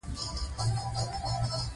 دا ځکه مایکروسافټ همدا وايي.